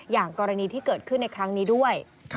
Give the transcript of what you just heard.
อย่างกรณีที่เกิดขึ้นในครั้งนี้ด้วย